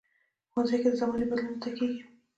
ښوونځی کې د زمانه بدلون زده کېږي